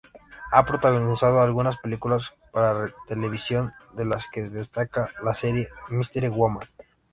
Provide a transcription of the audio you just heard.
Ha protagonizado algunas películas para televisión, de las que destaca la serie "Mystery Woman".